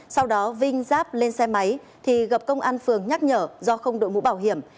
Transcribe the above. sau đó vinh giáp lên xe máy thì gặp công an phường nhắc nhở do không đội mũ bảo hiểm